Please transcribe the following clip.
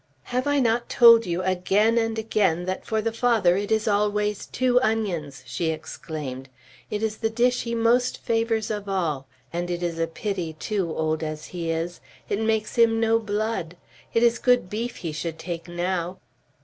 "Have I not told you again and again that for the Father it is always two onions?" she exclaimed. "It is the dish he most favors of all; and it is a pity too, old as he is. It makes him no blood. It is good beef he should take now."